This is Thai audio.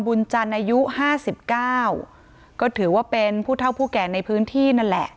บุญจันทร์อายุห้าสิบเก้าก็ถือว่าเป็นผู้เท่าผู้แก่ในพื้นที่นั่นแหละ